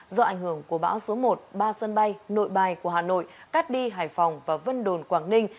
do ảnh hưởng của bão số một ba sân bay nội bài của hà nội cát bi hải phòng và vân đồn quảng ninh